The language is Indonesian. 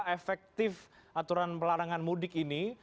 efektif aturan pelarangan mudik ini